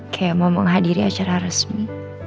kayak mau menghadiri acara resmi